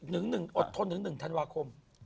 งานในวงการอีก๑อดทน๑ธันวาคม